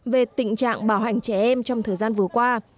về tình trạng bảo hành trẻ em trong thời gian vừa qua